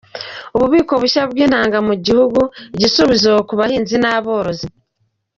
Ububiko bushya bw’intanga mu gihugu, igisubizo ku bahinzi n’aborozi